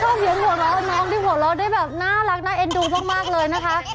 ชอบเหยียนหัวเราน์น้องที่หัวเราน์ได้แบบน่ารักน่ะเอ็นดูส์พอมากเลยนะคะ